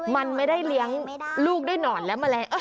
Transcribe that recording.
มันไม่ได้เลี้ยงลูกด้วยหนอนและแมลง